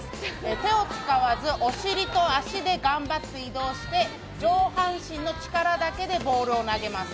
手を使わずお尻と足で頑張って移動して上半身の力だけでボールを投げます。